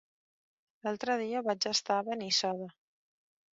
L'altre dia vaig estar a Benissoda.